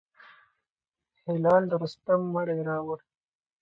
هلال د رستم مړی راووړ.